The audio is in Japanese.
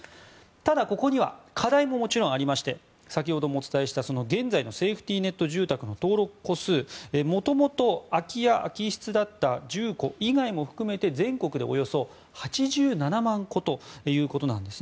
ただ、ここには課題ももちろんありまして先ほどもお伝えした現在のセーフティネット住宅の登録戸数はもともと空き家・空き室だった住戸以外も全国でおよそ８７万戸ということです。